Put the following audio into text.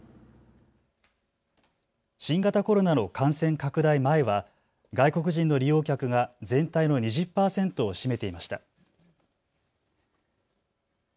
新型コロナの感染拡大前は外国人の利用客が全体の２０％を占めていました。